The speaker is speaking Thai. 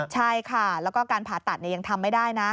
ใช่ค่ะแล้วก็การผ่าตัดยังทำไม่ได้นะ